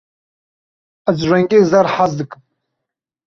Ez ji rengê zer hez dikim.